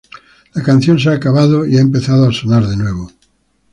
La canción se ha acabado... y ha empezado a sonar de nuevo.